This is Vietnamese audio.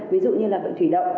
ví dụ như là đội thủy động